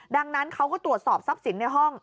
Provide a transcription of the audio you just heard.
ดังนั้นเขาก็ตรวจสอบทรัพย์สินในห้อง